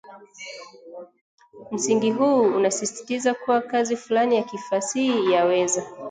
Msingi huu unasisitiza kuwa kazi fulani ya kifasihi yaweza